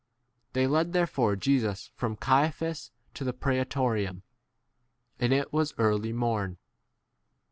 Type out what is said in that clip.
28 They lead therefore Jesus from Caiaphas to the prsetorium; and it was early morn.